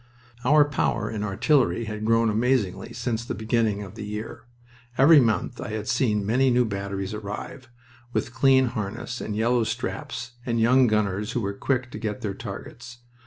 Our power in artillery had grown amazingly since the beginning of the year. Every month I had seen many new batteries arrive, with clean harness and yellow straps, and young gunners who were quick to get their targets.